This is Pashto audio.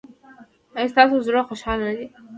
ایا ستاسو زړه خوشحاله نه دی؟